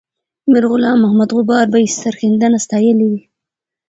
میرغلام محمد غبار به یې سرښندنه ستایلې وي.